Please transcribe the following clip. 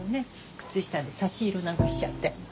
靴下で差し色なんかしちゃって。